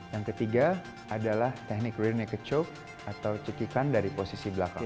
yang ketiga adalah teknik rear naked choke atau cekikan dari posisi belakang